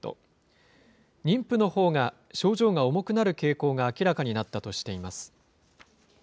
妊婦のほうが症状が重くなる傾向が明らかになったとしています。